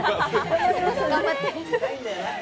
頑張って！